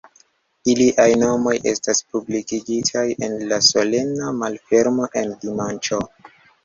Iliaj nomoj estas publikigitaj en la solena malfermo en dimanĉo.